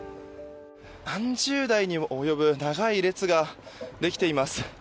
何十台にも及ぶ長い列ができています。